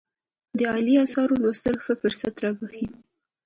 د عالي آثارو لوستل ښه فرصت رابخښي.